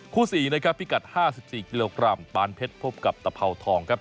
คู่สี่นะครับพิกัดห้าสิบสี่กิโลกรัมปานเพชรพบกับตะเผาทองครับ